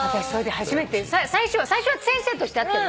初めて最初は先生として会ってる。